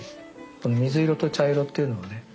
この水色と茶色っていうのをね